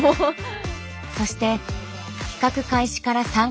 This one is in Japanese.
そして企画開始から３か月。